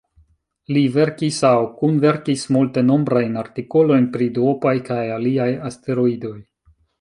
Li verkis aŭ kunverkis multenombrajn artikolojn pri duopaj kaj aliaj asteroidoj.